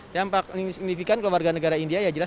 dampak signifikan kalau warga negara india ya jelas